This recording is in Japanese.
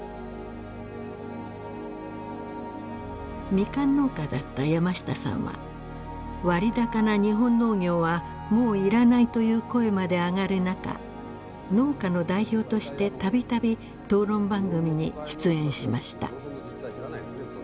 ミカン農家だった山下さんは「割高な日本農業はもういらない！」という声まで上がる中農家の代表として度々討論番組に出演しました。